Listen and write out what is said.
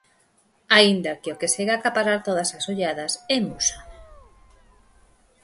Aínda que o que segue a acaparar todas as olladas é Musa.